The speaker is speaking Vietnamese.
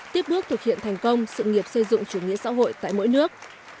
tiếp bước thực hiện thành công sự nghiệp xây dựng chủ nghĩa xã hội tại mỗi nước